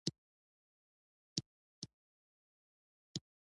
ازادي راډیو د ورزش ته پام اړولی.